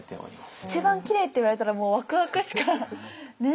一番きれいって言われたらもうワクワクしかね。